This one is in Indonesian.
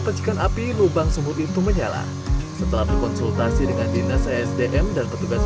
percikan api lubang sumur itu menyala setelah berkonsultasi dengan dinas esdm dan petugas